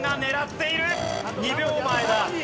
２秒前だ。